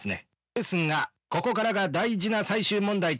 ですがここからが大事な最終問題と。